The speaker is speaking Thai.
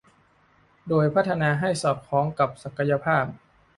โดยพัฒนาให้สอดคล้องกับศักยภาพ